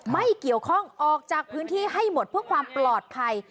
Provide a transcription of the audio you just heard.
ไม่เกี่ยวข้องออกจากพื้นที่ให้หมดเพื่อความปลอดภัย